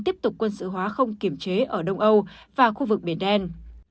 tiếp tục quân sự hóa không kiểm chế ở đông âu và khu vực biển đen